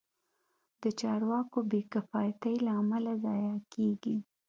د چارواکو بې کفایتۍ له امله ضایع کېږي.